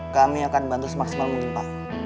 kami akan bantu semaksimal mungkin